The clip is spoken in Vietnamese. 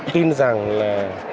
tôi tin rằng là